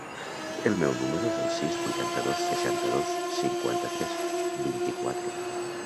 El meu número es el sis, vuitanta-dos, seixanta-dos, cinquanta-tres, vint-i-quatre.